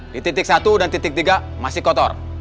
di titik satu dan titik tiga masih kotor